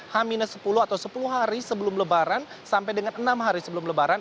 h sepuluh atau sepuluh hari sebelum lebaran sampai dengan enam hari sebelum lebaran